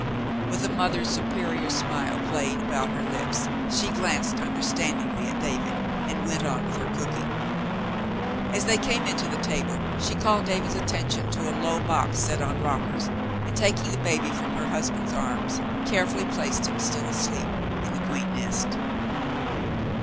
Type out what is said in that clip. With a mother's superior smile playing about her lips, she glanced understandingly at David, and went on with her cooking. As they came in to the table, she called David's attention to a low box set on rockers, and, taking the baby from her husband's arms, carefully placed him, still asleep, in the quaint nest.